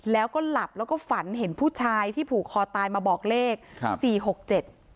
แล้วก็หลับแล้วก็ฝันเห็นผู้ชายที่ผูกคอตายมาบอกเลขครับสี่หกเจ็ด